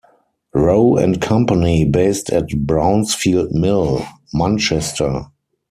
Roe and Company based at Brownsfield Mill, Manchester.